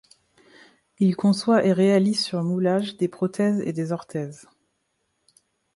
Il conçoit et réalise sur moulage des prothèses et des orthèses.